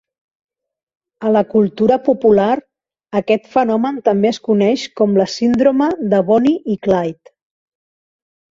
A la cultura popular, aquest fenomen també es coneix com la "síndrome de Bonnie i Clyde".